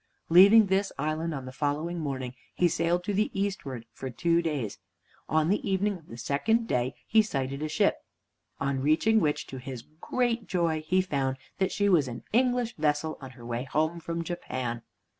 Leaving this island on the following morning, he sailed to the eastward for two days. On the evening of the second day he sighted a ship, on reaching which, to his great joy, he found that she was an English vessel on her way home from Japan.